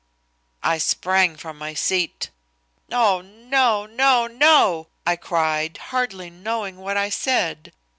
I sprang from my seat. "Oh, no, no, no," I cried, hardly knowing what I said.